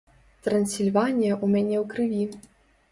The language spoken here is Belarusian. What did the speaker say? Трансільванія ў мяне ў крыві.